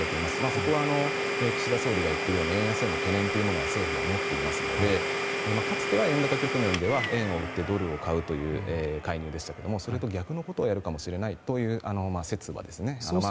そこは岸田総理が言っているように円安への懸念を政府は持っていますのでかつては円高局面では円を買ってドルを買っていましたがそれと逆のことをやるという説があります。